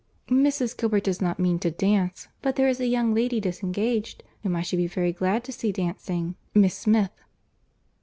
"Mrs. Gilbert does not mean to dance, but there is a young lady disengaged whom I should be very glad to see dancing—Miss Smith."